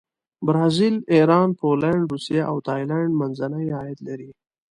برازیل، ایران، پولینډ، روسیه او تایلنډ منځني عاید لري.